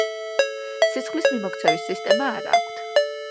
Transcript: სისხლის მიმოქცევის სისტემა არა აქვთ.